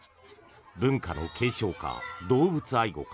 文化の継承か、動物愛護か。